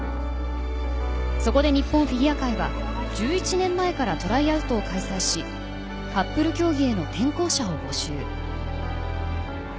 そこで日本フィギュア界は１１年前からトライアウトを開催しカップル競技への転向者を募集。